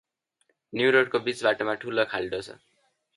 न्युरोडको बिच बाटोमा ठुलो खाल्डो छ ।